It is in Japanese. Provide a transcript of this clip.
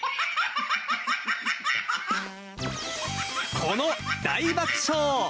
この大爆笑。